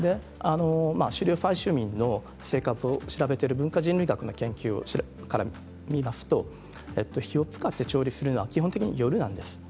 狩猟採集民の生活を調べていると文化人類学から見ますと火を使って調理するのは基本的に夜なんです。